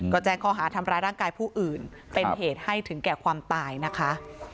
ก็แจ้งข้อหาทำร้ายร่างกายผู้อื่นเป็นเหตุให้ถึงแก่ความตายนะคะ